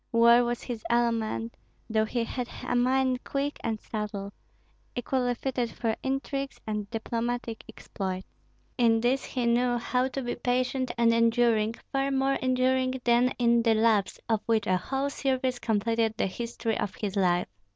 War was his element, though he had a mind quick and subtle, equally fitted for intrigues and diplomatic exploits. In these he knew how to be patient and enduring, far more enduring than in the "loves," of which a whole series completed the history of his life.